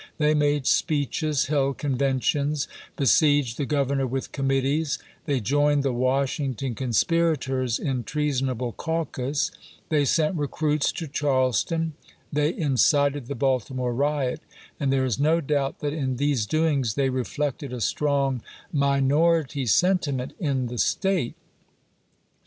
They made speeches, held conven tions, besieged the Governor with committees; they joined the Washington conspirators in treasonable caucus ; they sent recruits to Charleston ; they in cited the Baltimore riot; and there is no doubt that in these doings they reflected a strong minor ity sentiment in the State.